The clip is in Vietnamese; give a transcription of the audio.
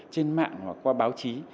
trên mạng hoặc qua báo chí